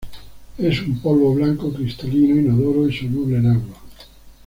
Es un polvo blanco, cristalino, inodoro y soluble en agua.